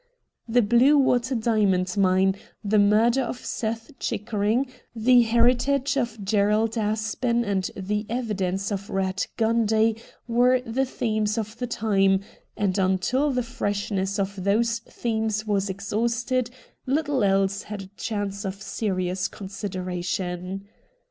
The Bluewater Diamond Mine, the murder of Seth Chickering, the heritage of Gerald Aspen, and the evidence of Eatt Gundy were the themes of the time, and until the freshness of 2o8 RED DIAMONDS those themes was exhausted, httle else had a chance of serious consideration.